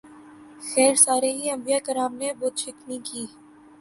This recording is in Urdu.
خیر سارے ہی انبیاء کرام نے بت شکنی کی ۔